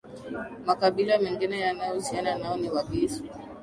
Makabila mengine yanayohusiana nao ni Wagisu